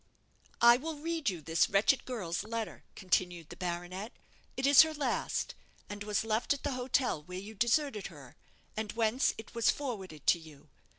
"I will read you this wretched girl's letter," continued the baronet; "it is her last, and was left at the hotel where you deserted her, and whence it was forwarded to you.